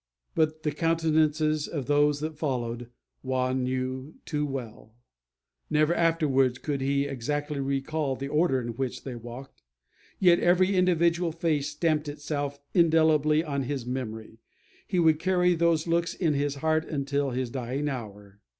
But the countenances of those that followed Juan knew too well. Never afterwards could he exactly recall the order in which they walked; yet every individual face stamped itself indelibly on his memory. He would carry those looks in his heart until his dying hour.